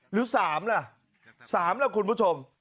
หรือ๓ล่ะ๓ล่ะคุณผู้ชม